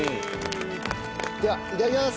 ではいただきます！